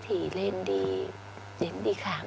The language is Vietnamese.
thì nên đi khám